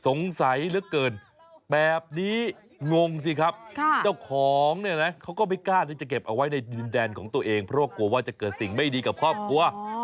สงสัยเหลือเกินแบบนี้งงสิครับเจ้าของเนี่ยนะเขาก็ไม่กล้าที่จะเก็บเอาไว้ในดินแดนของตัวเองเพราะว่ากลัวว่าจะเกิดสิ่งไม่ดีกับครอบครัว